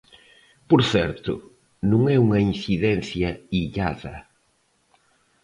Por certo, non é unha incidencia illada.